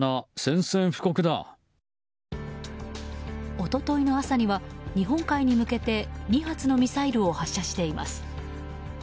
一昨日の朝には日本海に向けて２発のミサイルを発射しています。